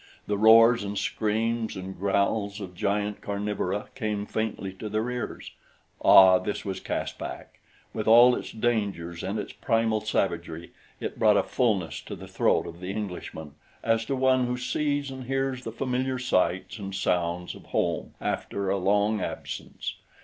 The roars and screams and growls of giant carnivora came faintly to their ears. Ah, this was Caspak. With all of its dangers and its primal savagery it brought a fullness to the throat of the Englishman as to one who sees and hears the familiar sights and sounds of home after a long absence.